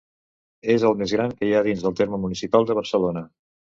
És el més gran que hi ha dins el terme municipal de Barcelona.